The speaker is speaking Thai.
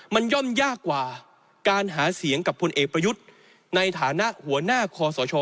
มันย่อมยากกว่าการหาเสียงกับพลเอกประยุทธ์ในฐานะหัวหน้าคอสช